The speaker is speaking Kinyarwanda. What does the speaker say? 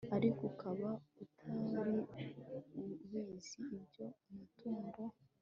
ariko ukaba utari ubizi Ibyo amatungo